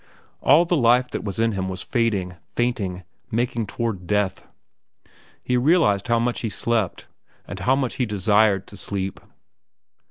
All the life that was in him was fading, fainting, making toward death. He realized how much he slept, and how much he desired to sleep.